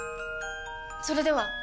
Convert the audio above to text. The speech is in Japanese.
それでは！